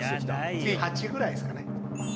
次８ぐらいですかね。